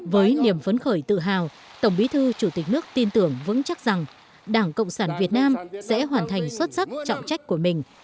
với niềm phấn khởi tự hào tổng bí thư chủ tịch nước tin tưởng vững chắc rằng đảng cộng sản việt nam sẽ hoàn thành xuất sắc trọng trách của mình